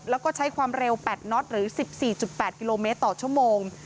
แล้วก็ใช้ความเร็ว๘น็อตหรือ๑๔๘กิโลเมตรต่อชั่วโมง